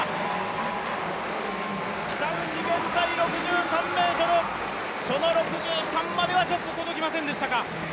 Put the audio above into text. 北口、現在６３ｍ、その６３までは、ちょっと届きませんでしたか？